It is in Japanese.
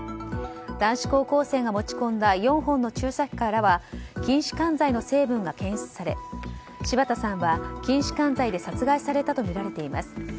男子高校生が持ち込んだ４本の注射器からは筋弛緩剤の成分が検出され柴田さんは筋弛緩剤で殺害されたとみられています。